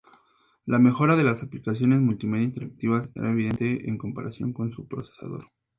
La mejora en las aplicaciones multimedia interactivas era evidente en comparación con su predecesor.